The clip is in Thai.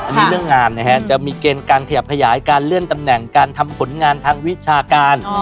อันนี้เรื่องงานนะฮะจะมีเกณฑ์การขยับขยายการเลื่อนตำแหน่งการทำผลงานทางวิชาการ